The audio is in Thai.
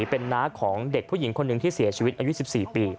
เป็นน้าของเด็กผู้หญิงคนหนึ่งที่เสียชีวิตอายุ๑๔ปี